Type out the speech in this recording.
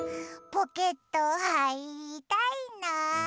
ポケットはいりたいな。